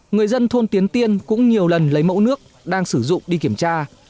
người dân thôn tiến tiên cũng nhiều lần lấy mẫu nước đang sử dụng đi kiểm tra